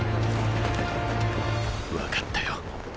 分かったよ。